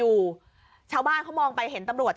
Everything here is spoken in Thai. พ่อออกมามอบตัวเถอะลูกน่ะร้องไห้คุณผู้ชม